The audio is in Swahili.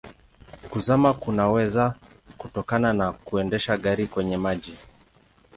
Kuzama kunaweza kutokana na kuendesha gari kwenye maji.